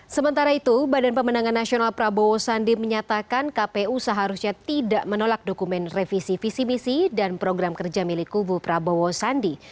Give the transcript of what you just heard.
sementara itu badan pemenangan nasional prabowo sandi menyatakan kpu seharusnya tidak menolak dokumen revisi visi misi dan program kerja milik kubu prabowo sandi